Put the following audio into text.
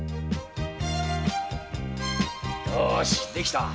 ようしできた。